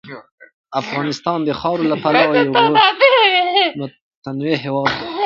افغانستان د خاورې له پلوه یو خورا متنوع هېواد دی.